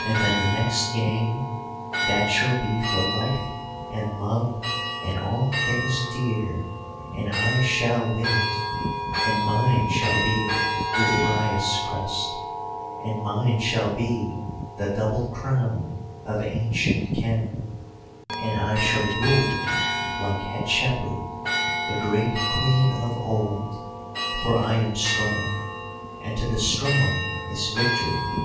And then the next game; that shall be for life and love and all things dear, and I shall win it, and mine shall be the uraeus crest, and mine shall be the double crown of ancient Khem, and I shall rule like Hatshepu, the great Queen of old, for I am strong, and to the strong is victory.